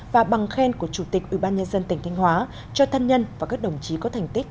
và bằng khen của chủ tịch ủy ban nhân dân tỉnh thanh hóa cho thân nhân và các đồng chí có thành tích